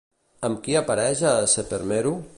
Amb qui apareix a Sepermeru?